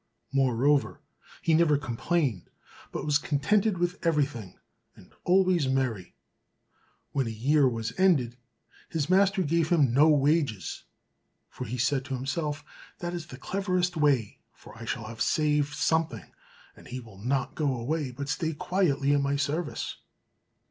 Moreover, he never complained, but was contented with everything, and always merry. When a year was ended, his master gave him no wages, for he said to himself, "That is the cleverest way; for I shall save something, and he will not go away, but stay quietly in my service."